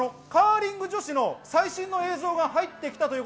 カーリング女子の最新の映像が入ってきました。